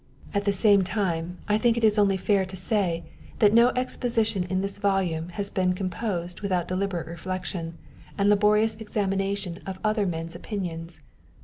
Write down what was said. At the same time, I think it only fair to say, that no exposition in this volume has been composed without deliberate reflection, and laborious examination of other PBEFAOE. TH a sii's opinions.